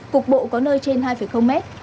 cục bộ có nơi trên hai mét